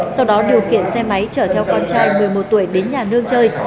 sau đó điều khiển xe máy chở theo con trai một mươi một tuổi đến nhà nương chơi